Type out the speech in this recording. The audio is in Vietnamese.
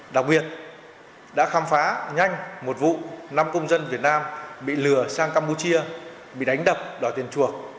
đặc biệt đã khám phá nhanh một vụ năm công dân việt nam bị lừa sang campuchia bị đánh đập đòi tiền chuộc